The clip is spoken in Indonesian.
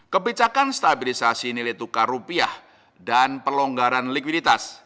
kebijakan stabilisasi nilai tukar rupiah dan pelonggaran likuiditas